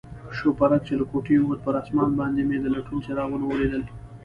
شوپرک چې له کوټې ووت، پر آسمان باندې مې د لټون څراغونه ولیدل.